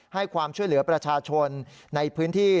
ให้ความช่วยเหลือประชาชนในพื้นที่